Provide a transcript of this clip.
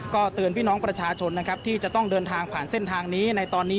ก็เตือนพี่น้องประชาชนนะครับที่จะต้องเดินทางผ่านเส้นทางนี้ในตอนนี้